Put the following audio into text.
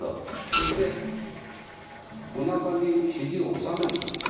そしておなかに肘を納める感じ。